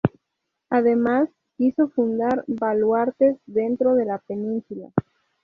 Además, quiso fundar baluartes dentro de la península.